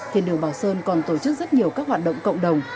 thiên đường bảo sơn còn tổ chức rất nhiều các hoạt động cộng đồng